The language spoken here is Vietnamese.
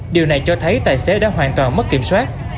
điều này cho thấy tài xế đã hoàn toàn mất kiểm soát